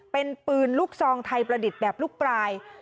เป็นปืนลูกซองไทยประดิษฐ์แบบลูกปลาย